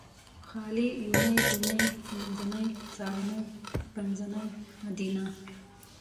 خالي یونۍ دونۍ منځنۍ څارنۍ پنځنۍ ادینه